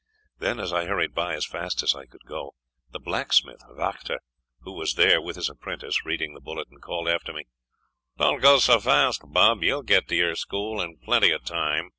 Then, as I hurried by as fast as I could go, the blacksmith, Wachter, who was there, with his apprentice, reading the bulletin, called after me: "Don't go so fast, bub; you'll get to your school in plenty of time!"